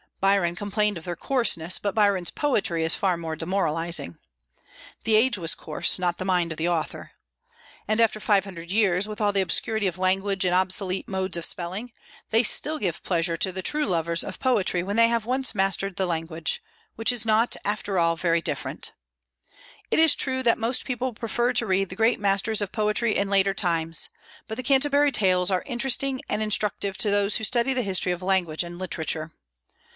Byron complained of their coarseness, but Byron's poetry is far more demoralizing. The age was coarse, not the mind of the author. And after five hundred years, with all the obscurity of language and obsolete modes of spelling, they still give pleasure to the true lovers of poetry when they have once mastered the language, which is not, after all, very difficult. It is true that most people prefer to read the great masters of poetry in later times; but the "Canterbury Tales" are interesting and instructive to those who study the history of language and literature.